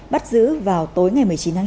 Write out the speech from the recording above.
bắt giữ vào tối ngày một mươi chín tháng chín